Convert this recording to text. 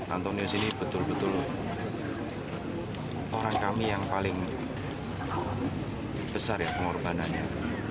antonius ini betul betul orang kami yang paling besar ya pengorbanannya